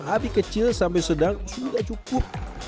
api kecil sampai sedang sudah cukup